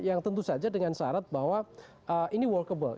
yang tentu saja dengan syarat bahwa ini workable